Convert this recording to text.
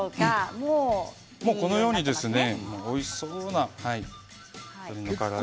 もうこのようにおいしそうな鶏のから揚げ。